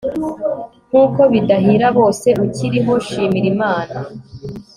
nk'uko bidahira bose, ukiriho shimira imana